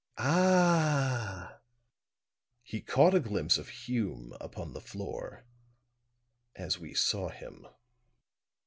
"Ah!" "He caught a glimpse of Hume upon the floor as we saw him."